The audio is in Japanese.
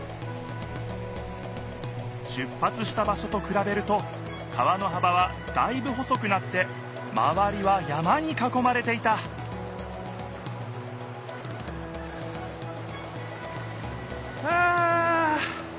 出ぱつした場しょとくらべると川のはばはだいぶ細くなってまわりは山にかこまれていたはあ！